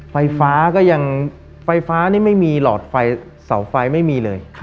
ไฟฟ้าก็ยังไฟฟ้านี่ไม่มีหลอดไฟเสาไฟไม่มีเลย